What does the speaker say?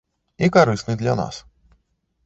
І карысны для нас.